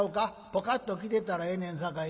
ぽかっときてたらええねんさかいな。